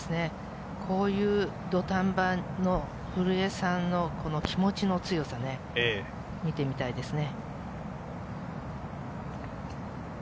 こういう土壇場の古江さんの気持ちの強さを見てみたいですね。